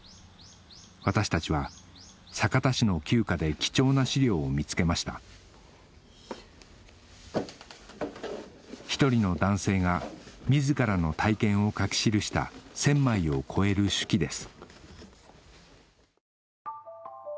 私たちは酒田市の旧家で貴重な資料を見つけました１人の男性が自らの体験を書き記した１０００枚を超える手記です